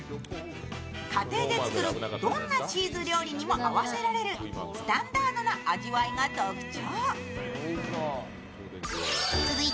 家庭で作るどんなチーズ料理にも合わせられるスタンダードな味わいが特徴。